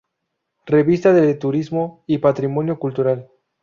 Revista de Turismo y Patrimonio Cultural